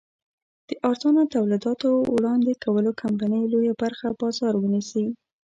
د ارزانه تولیداتو وړاندې کولو کمپنۍ لویه برخه بازار ونیسي.